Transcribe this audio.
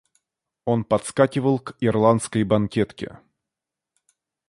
Он подскакивал к ирландской банкетке.